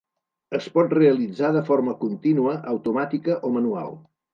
Es pot realitzar de forma contínua, automàtica o manual.